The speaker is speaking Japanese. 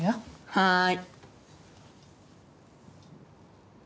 はい。